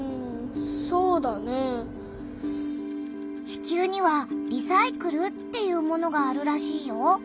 地球には「リサイクル」っていうものがあるらしいよ。